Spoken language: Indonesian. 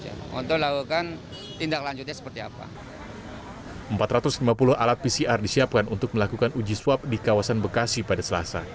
empat ratus lima puluh alat pcr disiapkan untuk melakukan uji swab di kawasan bekasi pada selasa